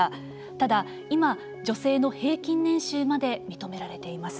ただ、今、女性の平均年収まで認められています。